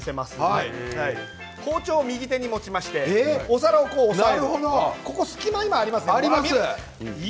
包丁を右手に持ちましてお皿を押さえる隙間がありますよね。